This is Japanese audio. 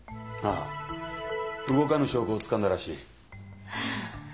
ああ動かぬ証拠を掴んだらしい。